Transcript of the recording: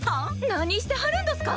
何してはるんどすか！？